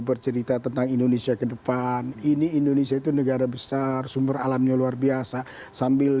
bercerita tentang indonesia ke depan ini indonesia itu negara besar sumber alamnya luar biasa sambil